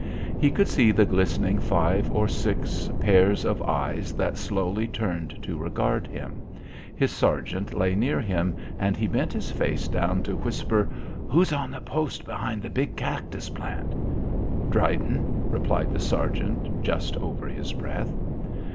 He could see the glistening five or six pairs of eyes that slowly turned to regard him. His sergeant lay near him and he bent his face down to whisper. "Who's on post behind the big cactus plant?" "Dryden," rejoined the sergeant just over his breath.